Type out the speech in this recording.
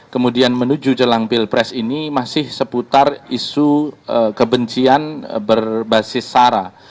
kemudian menuju jelang pilpres ini masih seputar isu kebencian berbasis sara